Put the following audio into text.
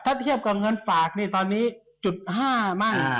ถ้าเทียบกับเงินฝากนี่ตอนนี้จุด๕มั่ง